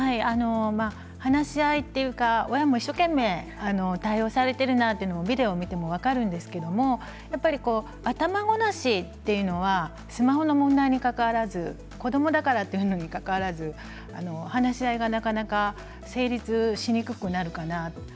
話し合いというか親も一生懸命対応をされているなということはビデオを見ても分かるんですけれど頭ごなしというのがスマホの問題にかかわらず子どもだからということにもかかわらず話し合いがなかなか成立しにくくなってしまう。